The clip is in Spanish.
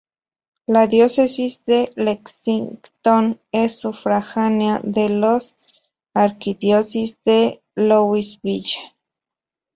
La Diócesis de Lexington es sufragánea de la Arquidiócesis de Louisville.